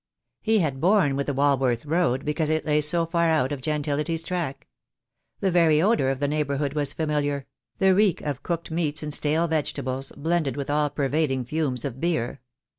He had borne with the Walworth Road because it lay so far out of gentility's track. The very odour of the neighbourhood was familiar — the reek of cooked meats and stale vegetables, blended with all pervading fumes of beer.